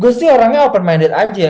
gue sih orangnya open minded aja